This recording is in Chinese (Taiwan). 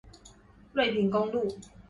瑞平公路